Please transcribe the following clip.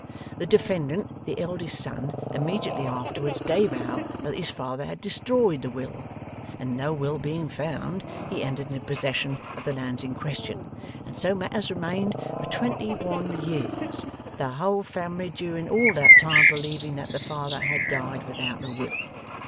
The defendant, the eldest son, immediately afterwards gave out that his father had destroyed the will; and no will being found, he entered into possession of the lands in question, and so matters remained for twenty one years, the whole family during all that time believing that the father had died without a will.